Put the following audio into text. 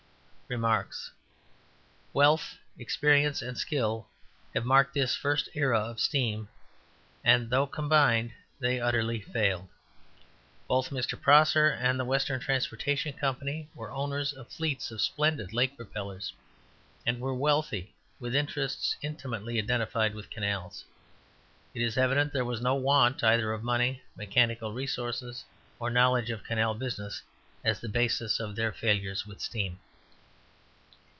REMARKS. Wealth, experience and skill have marked this first era of steam, and though combined, they utterly failed. Both Mr. Prosser and the Western Transportation Co. were owners of fleets of splendid lake propellers, and were wealthy, with interests intimately identified with canals. It is evident there was no want, either of money, mechanical resources, or knowledge of canal business as basis of their failures with steam.